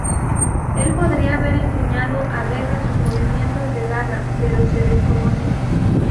Él podría haber enseñado a Vega sus movimientos de garra, pero se desconoce.